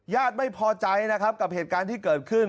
ญาติไม่พอใจนะครับกับเหตุการณ์ที่เกิดขึ้น